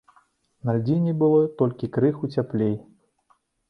На льдзіне было толькі крыху цяплей.